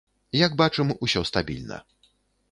Як бачым, усё стабільна.